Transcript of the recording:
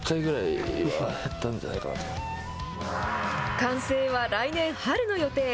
完成は来年春の予定。